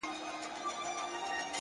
اوس په لمانځه کي دعا نه کوم ښېرا کومه”